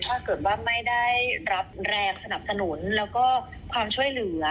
ถ้าเกิดว่าไม่ได้รับแรงสนับสนุนแล้วก็ความช่วยเหลือ